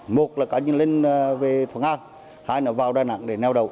một là cá nhân lên về thuận an hai là vào đà nẵng để neo đầu